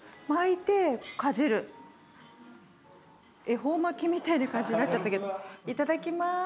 恵方巻きみたいな感じになっちゃったけどいただきます。